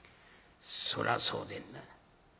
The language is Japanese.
そらそうでんな。